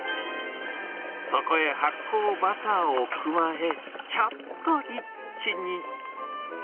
そこへ発酵バターを加え、ちょっとリッチに。